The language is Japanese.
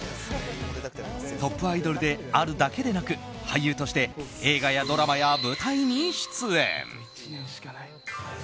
トップアイドルであるだけでなく俳優として映画やドラマや舞台に出演。